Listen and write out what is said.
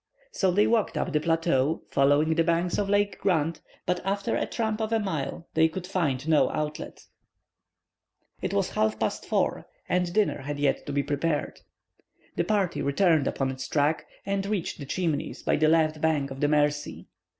So they walked up the plateau, following the banks of Lake Grant, but after a tramp of a mile, they could find no outlet. It was now half past 4, and dinner had yet to be prepared. The party returned upon its track, and reached the Chimneys by the left bank of the Mercy.